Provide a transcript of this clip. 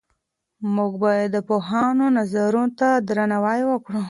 موږ باید د پوهانو نظرونو ته درناوی وکړو.